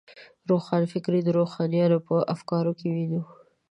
روښانفکري د روښانیانو په افکارو کې وینو.